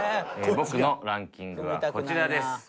僕のランキングはこちらです。